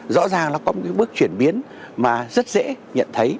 rõ ràng nó có một bước chuyển biến mà rất dễ nhận thấy